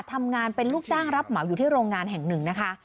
ทำงานเป็นลูกจ้างรับเหมาอยู่ที่โรงงานแห่งหนึ่งนะคะ